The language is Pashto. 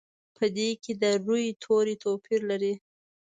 په دې کې د روي توري توپیر لري.